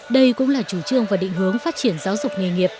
đây cũng là chủ trương và định hướng phát triển giáo dục nghề nghiệp